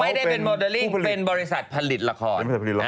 ไม่ได้เป็นโมเดลลิ่งเป็นบริษัทผลิตละคร